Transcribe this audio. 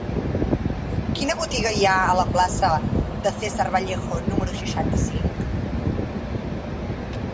Quina botiga hi ha a la plaça de César Vallejo número seixanta-cinc?